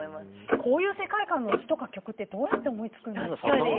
こういう世界観の詞とか曲ってどう思いつくんですか？